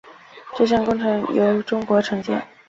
这项工程由中国承建。